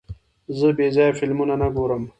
زه بېځایه فلمونه نه ګورم.